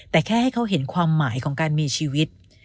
แต่แค่ให้เขาเห็นความหมายของการมีชีวิต